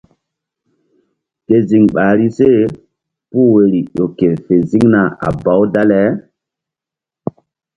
Ke ziŋ ɓahri se puh woyri ƴo ke fe ziŋna a baw dale.